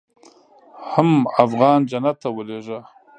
حم افغان جنت ته ولېږه.